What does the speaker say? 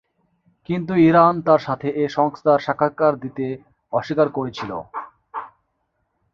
কিন্তু ইরান তার সাথে এ সংস্থার সাক্ষাৎকার দিতে অস্বীকার করেছিল।